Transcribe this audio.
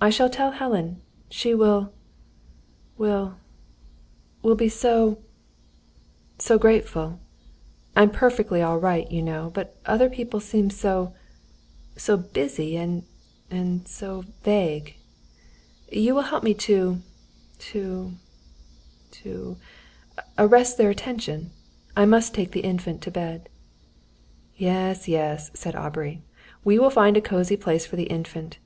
I shall tell Helen. She will will will be so so grateful. I'm perfectly all right, you know; but other people seem so so busy, and and so vague. You will help me to to to arrest their attention. I must take the Infant to bed." "Yes, yes," said Aubrey; "we will find a cosy place for the Infant.